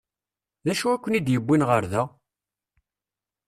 D acu i ken-id-yewwin ɣer da?